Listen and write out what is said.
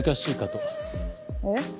えっ？